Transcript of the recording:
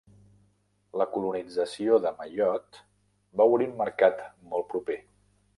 La colonització de Mayotte va obrir un mercat molt proper.